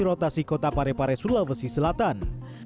rotasi kota parepare sulawesi selatan